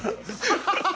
ハハハハ！